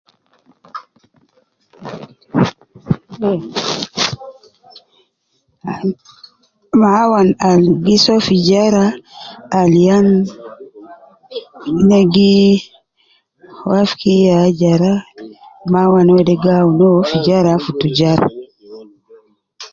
Mawana al gi soo tijara al yan na gi wafiki ya jara, mawana wede gi awun uwo fi tijara fi tijara